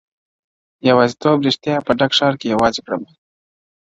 يوازيتوب ريشا په ډک ښار کي يوازي کړمه ,